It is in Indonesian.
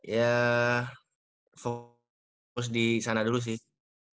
ya fokus di sana dulu sih